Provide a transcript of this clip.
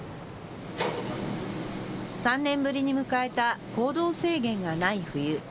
３年ぶりに迎えた行動制限がない冬。